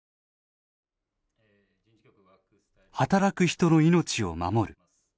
働く人の命を守る。